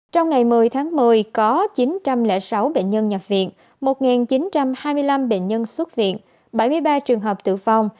trong ngày một mươi tháng một mươi có chín trăm linh sáu bệnh nhân nhập viện một chín trăm hai mươi năm bệnh nhân xuất viện bảy mươi ba trường hợp tử vong